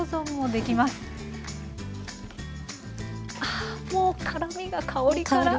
あっもう辛みが香りから。